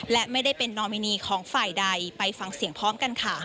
และไม่ได้เป็นนอมินีของฝ่ายใดไปฟังเสียงพร้อมกันค่ะ